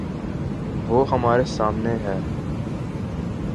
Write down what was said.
وہ ہمارے سامنے ہے۔